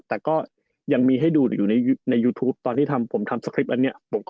แต่ก็ยังมีให้ดูอยู่ในยูทูปตอนที่ทำผมทำสคริปต์อันนี้